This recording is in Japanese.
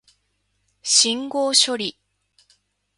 信号処理